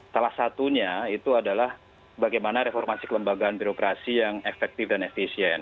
salah satunya itu adalah bagaimana reformasi kelembagaan birokrasi yang efektif dan efisien